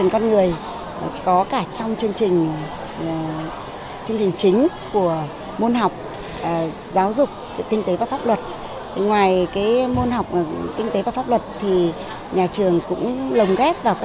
các sân chơi như văn hóa văn nghệ thể dục thể thao thì nhà trường cũng đều kết hợp